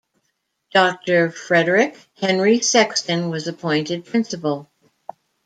Doctor Frederick Henry Sexton was appointed Principal.